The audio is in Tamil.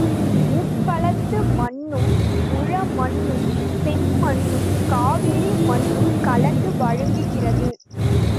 உப்பளத்து மண்ணும் உழமண்ணும் செம்மண்ணும் காவேரி மண்ணும் கலந்து வழங்குகிறது.